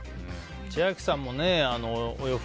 千秋さんもお洋服